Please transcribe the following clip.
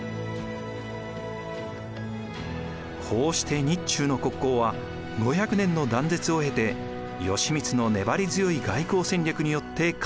こうして日中の国交は５００年の断絶を経て義満の粘り強い外交戦略によって回復したのでした。